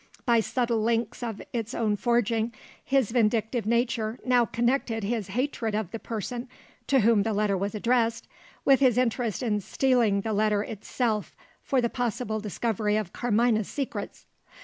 By subtle links of its own forging, his vindictive nature now connected his hatred of the person to whom the letter was addressed, with his interest in stealing the letter itself for the possible discovery of Carmina's secrets.